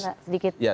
sedikit bisa sedikit